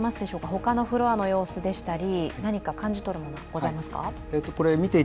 ほかのフロアの様子でしたり、感じ取れるものありますか？